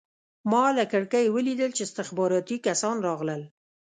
ما له کړکۍ ولیدل چې استخباراتي کسان راغلل